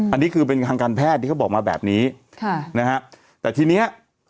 อันนี้คือเป็นทางการแพทย์ที่เขาบอกมาแบบนี้ค่ะนะฮะแต่ทีเนี้ย